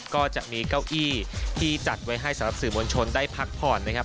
ก็จะมีเก้าอี้ที่จัดไว้ให้สำหรับสื่อมวลชนได้พักผ่อนนะครับ